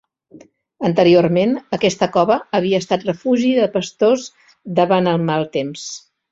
Anteriorment, aquesta cova havia estat refugi de pastors davant el mal temps.